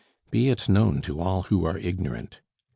Be it known to all who are ignorant!